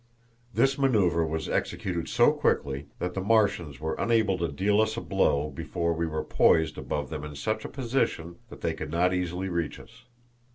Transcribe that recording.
This manoeuvre was executed so quickly that the Martians were unable to deal us a blow before we were poised above them in such a position that they could not easily reach us.